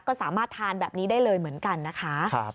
ก็สามารถทานแบบนี้ได้เลยเหมือนกันนะคะ